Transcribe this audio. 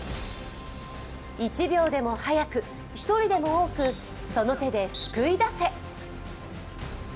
１秒でも早く、１人でも多くその手で救い出せ。